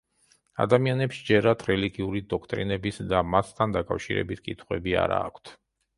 ადამიანებს სჯერათ რელიგიური დოქტრინების და მათთან დაკავშირებით კითხვები არა აქვთ.